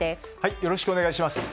よろしくお願いします。